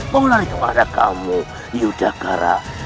mau lari kepada kamu yudhakara